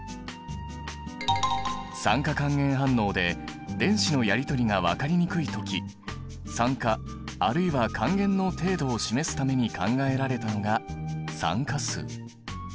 酸化還元反応で電子のやりとりが分かりにくい時酸化あるいは還元の程度を示すために考えられたのが酸化数。